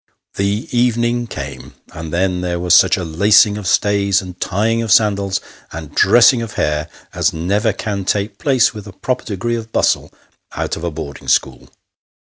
The evening came ; and then there was such a lacing of stays, and tying of sandals, and dressing of hair, as never can take place with a proper degree of bustle out of a boarding school.